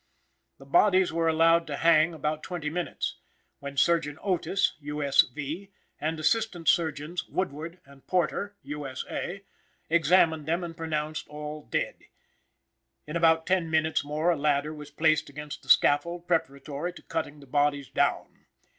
The bodies were allowed to hang about twenty minutes, when surgeon Otis, U. S. V., and Assistant Surgeons Woodward and Porter, U. S. A., examined them and pronounced all dead. In about ten minutes more a ladder was placed against the scaffold preparatory to cutting the bodies down.